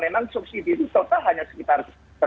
memang subsidi itu total hanya sekitar